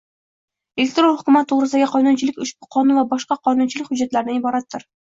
Elektron hukumat to‘g‘risidagi qonunchilik ushbu Qonun va boshqa qonunchilik hujjatlaridan iboratdir.